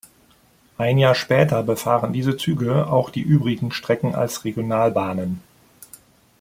Ein Jahr später befahren diese Züge auch die übrigen Strecken als Regionalbahnen.